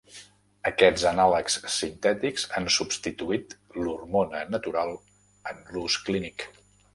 Aquests anàlegs sintètics han substituït l'hormona natural en l'ús clínic.